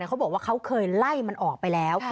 เขาบอกว่าเขาเคยไล่มันออกไปแล้ว